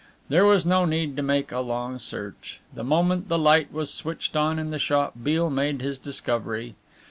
There was no need to make a long search. The moment the light was switched on in the shop Beale made his discovery.